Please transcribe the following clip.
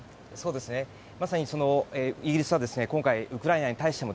まさにイギリスは今回、ウクライナに対しても